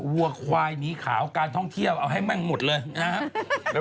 วัวควายหนีขาวการท่องเที่ยวเอาให้แม่งหมดเลยนะครับ